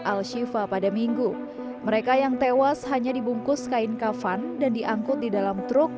al shiva pada minggu mereka yang tewas hanya dibungkus kain kafan dan diangkut di dalam truk